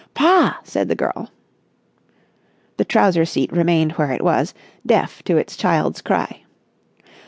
"Pa!" said the girl. The trouser seat remained where it was, deaf to its child's cry.